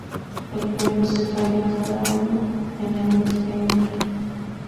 El premio se falla cada año en el mes de enero.